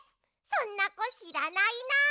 そんなこしらないな。